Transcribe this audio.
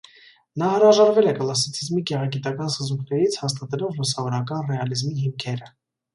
Նա հրաժարվել է կլասիցիզմի գեղագիտական սկզբունքներից՝ հաստատելով լուսավորական ռեալիզմի հիմքերը։